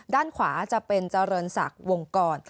ด้านขวาจะเป็นเจริญศักดิ์วงกร